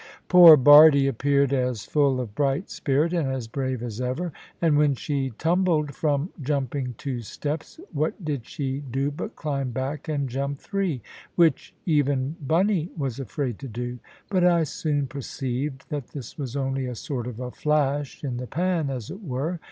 Poor Bardie appeared as full of bright spirit, and as brave as ever, and when she tumbled from jumping two steps, what did she do but climb back and jump three, which even Bunny was afraid to do. But I soon perceived that this was only a sort of a flash in the pan, as it were.